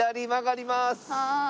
はい。